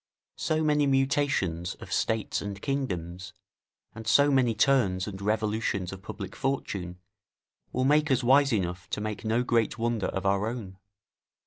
So many mutations of states and kingdoms, and so many turns and revolutions of public fortune, will make us wise enough to make no great wonder of our own.